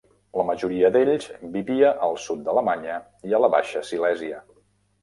La majoria d'ells vivia al sud d'Alemanya i a la Baixa Silèsia.